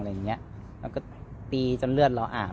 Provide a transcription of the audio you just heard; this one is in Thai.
แล้วตีตื้อนานนี้จนเลือดเราอาบ